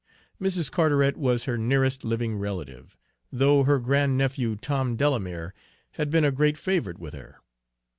Mrs. Carteret was her nearest living relative, though her grand nephew Tom Delamere had been a great favorite with her.